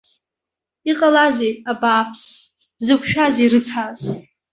Иҟалазеи, абааԥс, бзықәшәазеи рыцҳарас?